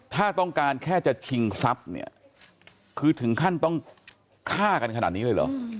ถ้าต้องการแค่จะชิงทรัพย์เนี่ยคือถึงขั้นต้องฆ่ากันขนาดนี้เลยเหรอ